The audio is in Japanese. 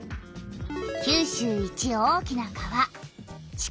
九州一大きな川「筑後川」。